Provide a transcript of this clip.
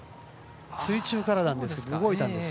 水中からなんですけど動いたんです。